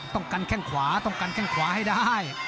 ต้องกันแข้งขวาต้องกันแข้งขวาให้ได้